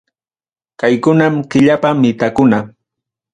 Kaykunam Killapa mitakuna.